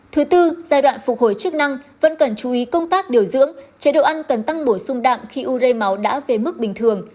thứ tư giai đoạn phục hồi chức năng vẫn cần chú ý công tác điều dưỡng chế độ ăn cần tăng bổ sung đạm khi u rê máu đã về mức bình thường